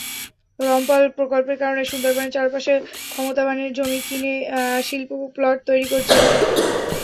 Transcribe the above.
রামপাল প্রকল্পের কারণে সুন্দরবনের চারপাশে ক্ষমতাবানেরা জমি কিনে শিল্প প্লট তৈরি করছেন।